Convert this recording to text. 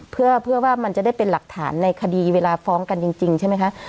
เพื่อว่ามันจะได้เป็นหลักฐานในคดีเวลาฟ้องกันจริงใช่ไหมคะ